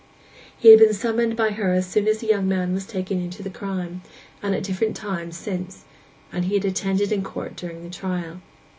He had been summoned by her as soon as the young man was taken in the crime, and at different times since; and he had attended in court during the trial.